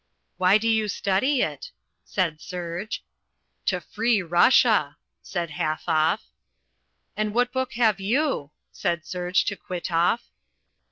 "Why do you study it?" said Serge. "To free Russia," said Halfoff. "And what book have you?" said Serge to Kwitoff.